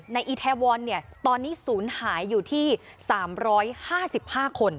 ในอิทวรตอนนี้สูญหายอยู่ที่๓๕๕คน